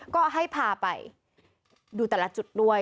ก็ให้พาไปดูแต่ละจุดด้วย